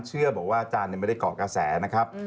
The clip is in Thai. เชื่อบอกว่าอาจารย์ไม่ได้เกาะกระแสนะครับ